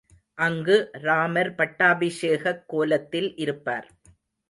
அங்கு ராமர் பட்டாபிஷேகக் கோலத்தில் இருப்பார்.